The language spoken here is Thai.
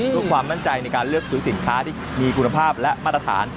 เพื่อความมั่นใจในการเลือกซื้อสินค้าที่มีคุณภาพและมาตรฐาน